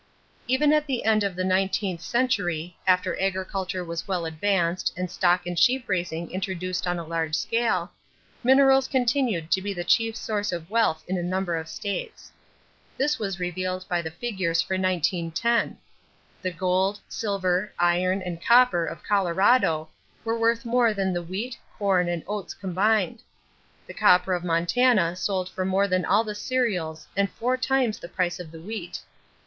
Even at the end of the nineteenth century, after agriculture was well advanced and stock and sheep raising introduced on a large scale, minerals continued to be the chief source of wealth in a number of states. This was revealed by the figures for 1910. The gold, silver, iron, and copper of Colorado were worth more than the wheat, corn, and oats combined; the copper of Montana sold for more than all the cereals and four times the price of the wheat.